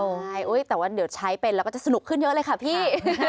ใช่แต่ว่าเดี๋ยวใช้เป็นแล้วก็จะสนุกขึ้นเยอะเลยค่ะพี่